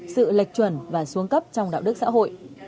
sự lệch chuẩn và xuống cấp trong đạo đức xã hội